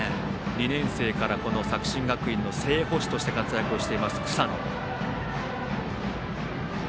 ２年生から作新学院の正捕手として活躍をしています草野。